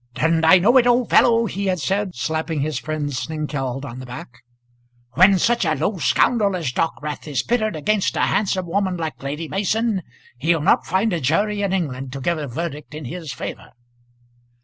"Didn't I know it, old fellow?" he had said, slapping his friend Snengkeld on the back. "When such a low scoundrel as Dockwrath is pitted against a handsome woman like Lady Mason he'll not find a jury in England to give a verdict in his favour."